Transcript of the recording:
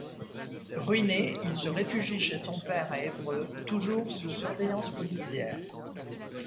Ruiné, il se réfugie chez son père à Évreux, toujours sous surveillance policière.